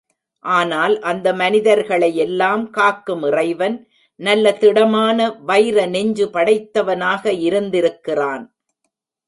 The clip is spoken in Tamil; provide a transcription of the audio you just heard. ஆனால் அந்த மனிதர்களையெல்லாம் காக்கும் இறைவன் நல்ல திடமான வைர நெஞ்சு படைத்தவனாக இருந்திருக்கிறான்.